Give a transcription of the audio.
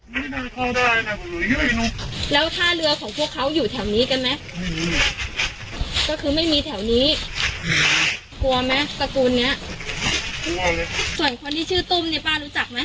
ไม่รู้จักไม่เคยเห็น